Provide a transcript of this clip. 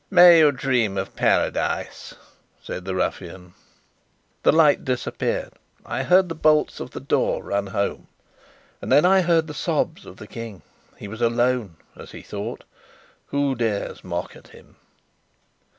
"May you dream of paradise!" said the ruffian. The light disappeared. I heard the bolts of the door run home. And then I heard the sobs of the King. He was alone, as he thought. Who dares mock at him?